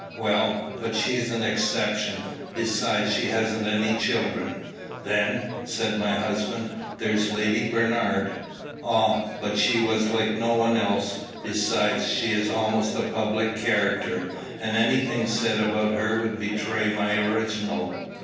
"Well, but she's an exception. Besides, she hasn't any children." "Then," said my husband, "there's Lady Bernard" "Ah! but she was like no one else. Besides, she is almost a public character, and any thing said about her would betray my original."